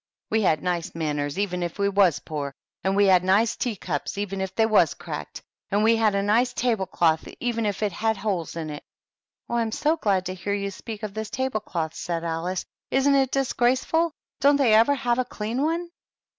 We had nice manners even if we was poor, and we had nice tea cups even if they was cracked, and we had a nice table cloth even if it fiad holes m it. "Oh, I'm so glad to hear you speak of this table cloth," said Alice. "Isn't it disgraceful? Don't they ever have a clean one?"